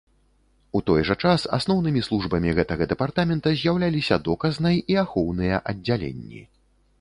У той жа час, асноўнымі службамі гэтага дэпартамента з'яўляліся доказнай і ахоўныя аддзяленні.